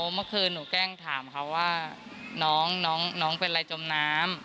เมื่อคืนหนูแกล้งถามเขาว่าน้องเป็นอะไรจมน้ำ